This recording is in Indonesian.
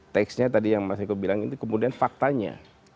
teksnya tadi yang mas heko bilang ini kemudian faktanya